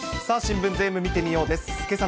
さあ、新聞ぜーんぶ見てみようです。